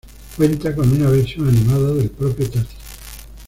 Cuenta con una versión animada del propio Tati.